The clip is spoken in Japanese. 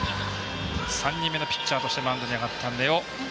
３人目のピッチャーとしてマウンドに上がった根尾。